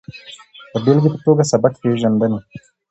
د بېلګې په ټوګه سبک پېژندنې